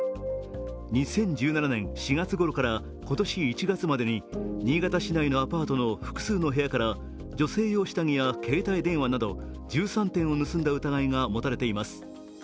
２０１７年４月から今年１月ごろまでに新潟市内のアパートの複数の部屋から女性用下着や携帯電話など１３点を盗んだ疑いが持たれています。